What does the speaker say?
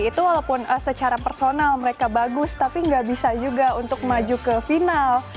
itu walaupun secara personal mereka bagus tapi nggak bisa juga untuk maju ke final